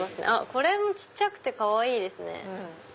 これも小っちゃくてかわいいですね。